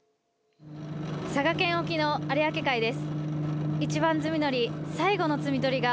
佐賀県沖の有明海です。